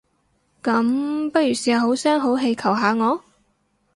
噉，不如試下好聲好氣求下我？